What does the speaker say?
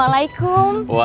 waalaikumsalam kang lidoy